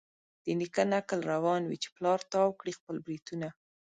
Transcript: د نیکه نکل روان وي چي پلار تاو کړي خپل برېتونه